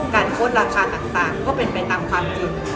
โค้ดราคาต่างก็เป็นไปตามความจริง